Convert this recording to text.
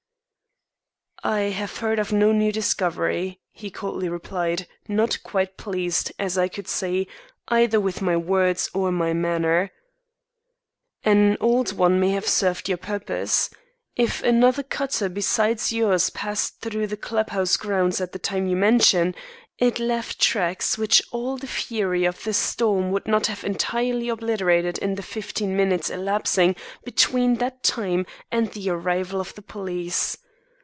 "I have heard of no new discovery," he coldly replied, not quite pleased, as I could see, either with my words or my manner. "An old one may have served your purpose. If another cutter besides yours passed through the club house grounds at the time you mention, it left tracks which all the fury of the storm would not have entirely obliterated in the fifteen minutes elapsing between that time and the arrival of the police.